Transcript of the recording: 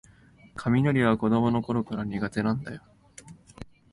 雷は子どものころから苦手なんだよ